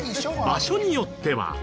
場所によっては。